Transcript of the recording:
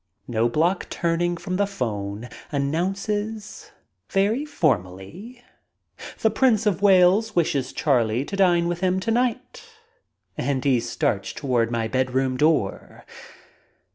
Kjiobloch turning from the phone announces, very for mally, "The Prince of Wales wishes Charlie to dine with him to night, '' and he starts toward my bedroom door.